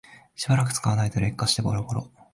しばらく使わないと劣化してボロボロ